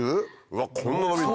うわっこんな伸びる！